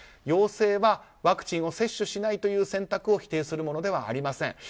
要請は、ワクチンを接種しないという選択を否定するものではありません。